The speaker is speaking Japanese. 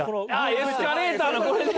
エスカレーターのこれね。